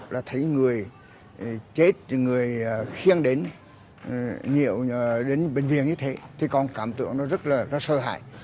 là thấy người chết người khiêng đến nhiều đến bệnh viện như thế thì còn cảm tượng nó rất là sợ hãi